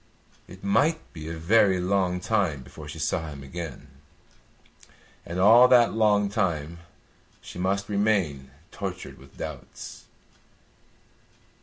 It might be a very long time before she saw him again, and all that long time she must remain tortured with doubts.